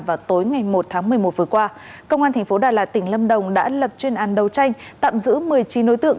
vào tối ngày một tháng một mươi một vừa qua công an tp đà lạt tỉnh lâm đồng đã lập chuyên án đấu tranh tạm giữ một mươi chín đối tượng